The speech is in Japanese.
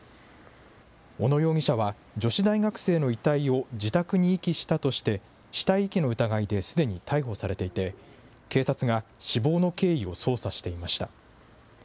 小野容疑者は、女子大学生の遺体を自宅に遺棄したとして、死体遺棄の疑いですでに逮捕されていて、警察が死亡の経緯を捜査していました。